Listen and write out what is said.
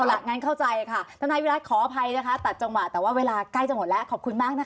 ล่ะงั้นเข้าใจค่ะทนายวิรัติขออภัยนะคะตัดจังหวะแต่ว่าเวลาใกล้จะหมดแล้วขอบคุณมากนะคะ